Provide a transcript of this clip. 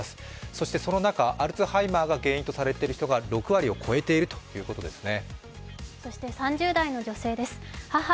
そしてその中、アルツハイマーが原因とされている人が６割を超えているということですね。